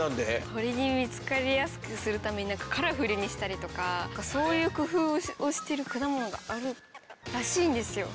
鳥に見つかりやすくするために何かカラフルにしたりとかそういう工夫をしてる果物があるらしいんですよ。